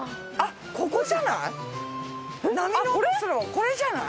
これじゃない？